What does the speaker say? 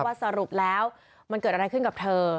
สรุปแล้วมันเกิดอะไรขึ้นกับเธอ